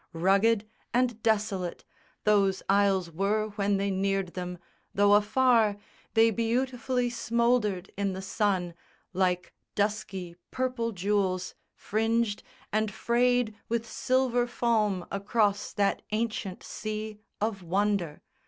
Rugged and desolate Those isles were when they neared them, though afar They beautifully smouldered in the sun Like dusky purple jewels fringed and frayed With silver foam across that ancient sea. Of wonder.